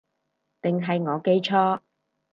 定係我記錯